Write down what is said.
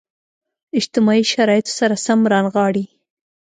اجتماعي شرایطو سره سم رانغاړي.